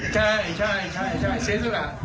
ใช่ใช่ใช่เสียสละ